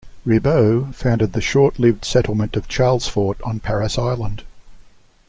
Ribault founded the short-lived settlement of Charlesfort on Parris Island.